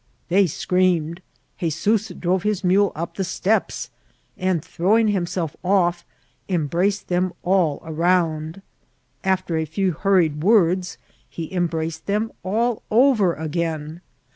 They screamed, 'Hezoos drove his mule vp the steps, and throwing himself off, embraced them all around. After a few hurried words, he embraced them all over again.